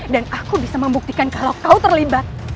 dan aku bisa membuktikan kalau kau terlibat